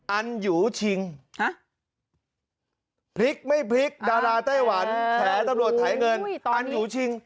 อันหยูชิงพลิกไม่พลิกดาราไต้หวันแฉตำรวจไถเงินอันหยูชิง